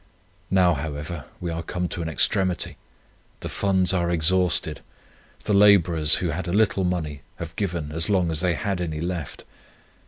Now, however, we are come to an extremity. The funds are exhausted. The labourers, who had a little money, have given as long as they had any left.